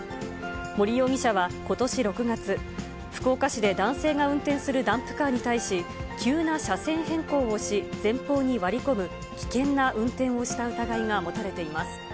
森容疑者はことし６月、福岡市で男性が運転するダンプカーに対し、急な車線変更をし、前方に割り込む危険な運転をした疑いが持たれています。